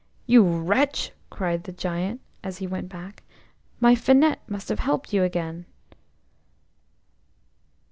"You wretch," cried the Giant, as he went back. "My Finette must have helped you again!"